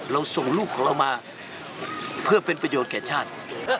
ส่งลูกของเรามาเพื่อเป็นประโยชน์แก่ชาติ